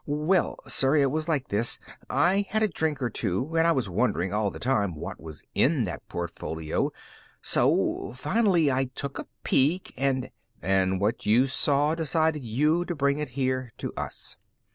"Well, sir, it was like this. I had a drink or two and I was wondering all the time what was in that portfolio. So finally I took a peek and " "And what you saw decided you to bring it here to us."